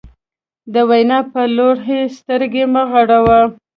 د وینا په لوري یې سترګې مه غړوه.